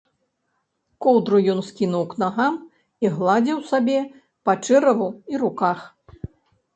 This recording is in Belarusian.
Коўдру ён скінуў к нагам і гладзіў сабе па чэраву і руках.